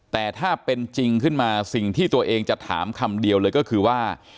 แต่ถ้าเป็นจริงขึ้นมาสิ่งที่ตัวเองจะถามคำเดียวเลยก็คือว่า